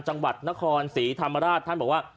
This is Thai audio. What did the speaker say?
จังหวัดนครศรีธรรมราชท่านบอกว่า